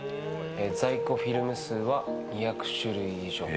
在庫フィルム数は２００種類以上。